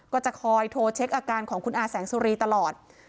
ก็จะคอยโทรเช็คอาการของคุณอาแสงสุรีตลอด